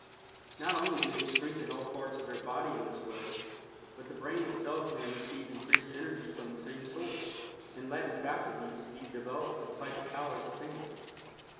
Not only do they strengthen all parts of their body in this way, but the brain itself may receive increased energy from the same source, and latent faculties be developed and psychic powers attained.